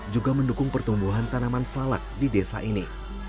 juga mendukung pertumbuhan tanaman salak di desa ini